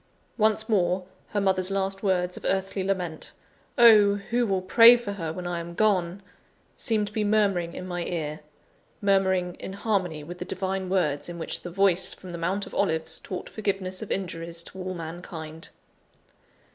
Once more, her mother's last words of earthly lament "Oh, who will pray for her when I am gone!" seemed to be murmuring in my ear murmuring in harmony with the divine words in which the Voice from the Mount of Olives taught forgiveness of injuries to all mankind.